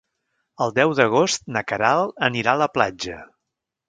El deu d'agost na Queralt anirà a la platja.